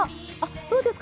どうですか？